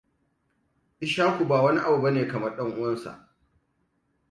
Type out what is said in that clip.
Ishaku ba wani abu bane kamar ɗan uwansa.